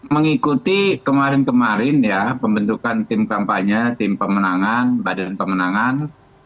mengikuti kemarin kemarin ya pembentukan tim kampanye tim pemenangan badan pemenangan